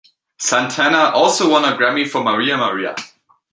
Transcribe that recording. Santana also won a Grammy for "Maria Maria".